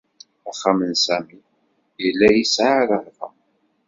Axxam n Sami yella yesɛa rrehba.